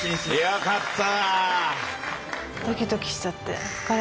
よかった！